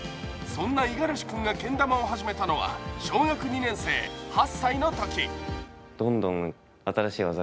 そんな五十嵐君がけん玉を始めたのは小学２年生、８歳のとき。